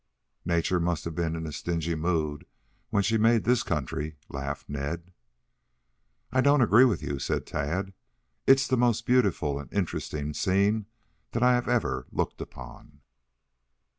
"Nature must have been in a stingy mood when she made this country," laughed Ned. "I don't agree with you," said Tad. "It is the most beautiful and interesting scene that I have ever looked upon."